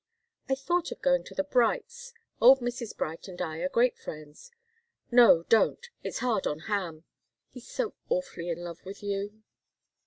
"I thought of going to the Brights'. Old Mrs. Bright and I are great friends." "No don't! It's hard on Ham. He's so awfully in love with you."